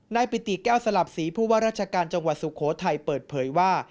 ปิติแก้วสลับศรีผู้ว่าราชการจังหวัดสุโขทัยเปิดเผยว่า